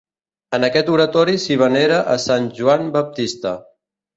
En aquest oratori s'hi venera a Sant Joan Baptista.